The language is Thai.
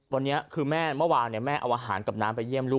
วันนี้คือแม่เมื่อวานแม่เอาอาหารกับน้ำไปเยี่ยมลูก